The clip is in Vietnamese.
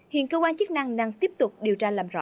hiện cơ quan chức năng đang tiếp tục điều tra làm rõ